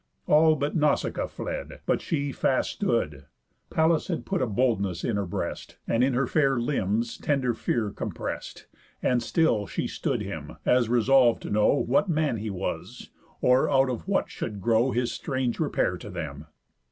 All but Nausicaa fled; but she fast stood, Pallas had put a boldness in her breast, And in her fair limbs tender fear comprest. And still she stood him, as resolv'd to know What man he was, or out of what should grow His strange repair to them.